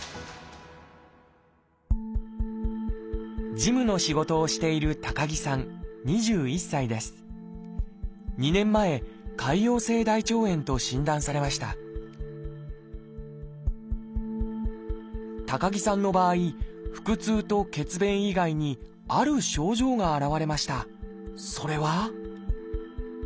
事務の仕事をしていると診断されました高木さんの場合腹痛と血便以外にある症状が現れました。